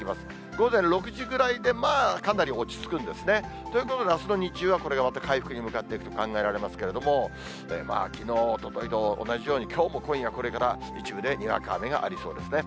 午前６時ぐらいで、まあ、かなり落ち着くんですね。ということであすの日中は、また回復に向かっていくと考えられますけども、まあきのう、おとといと、同じようにきょうも今夜これから、一部でにわか雨がありそうですね。